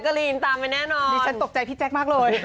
ก็เฮี่ยเดี๋ยวรอดูพี่แจ๊ว